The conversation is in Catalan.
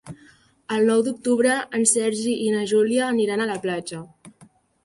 El nou d'octubre en Sergi i na Júlia aniran a la platja.